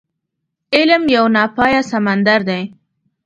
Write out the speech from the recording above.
علم يو ناپايه سمندر دی.